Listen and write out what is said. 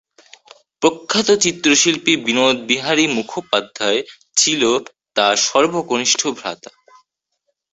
প্রখ্যাত চিত্রশিল্পী বিনোদ বিহারী মুখোপাধ্যায় ছিল তার সর্বকনিষ্ঠ ভ্রাতা।